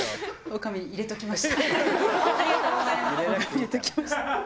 入れときました。